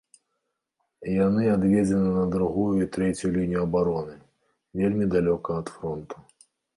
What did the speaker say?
Яны адведзены на другую і трэцюю лінію абароны, вельмі далёка ад фронту.